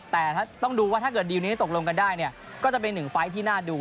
แต่ถ้าต้องดูว่าถ้าเกิดดีลนี้ตกลงกันได้เนี่ยก็จะเป็นหนึ่งไฟล์ที่น่าดู